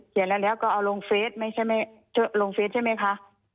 เขียนแล้วก็เอาลงเฟซใช่ไหมคะ